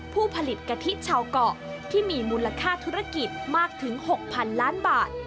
ผู้ผลิตกะทิชาวเกาะที่มีมูลค่าธุรกิจมากถึง๖๐๐๐ล้านบาท